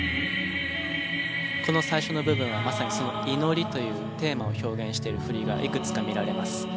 この最初の部分はまさにその祈りというテーマを表現している振りがいくつか見られます。